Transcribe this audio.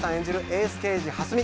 エース刑事蓮見。